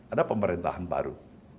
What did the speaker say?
ada pemerintahan baru